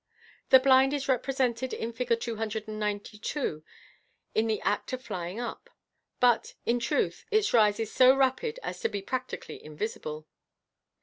The blind is represented in Fig. 292 in the act of flying up, but, in truth, its rise is so rapid as to be practically invisible.